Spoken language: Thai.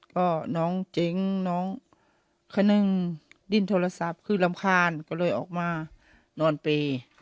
ก็น้องเจ๊งน้องคนนึงดิ้นโทรศัพท์คือรำคาญก็เลยออกมานอนเปย์